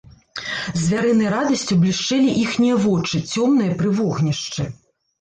Звярынай радасцю блішчэлі іхнія вочы, цёмныя пры вогнішчы.